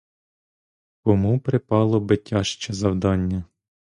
Кому припало би тяжче завдання?